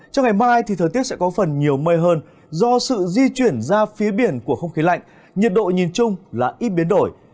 trong ngày mai thì thời tiết sẽ có phần nhiều mây hơn do sự di chuyển ra phía biển của không khí lạnh nhiệt độ nhìn chung là ít biến đổi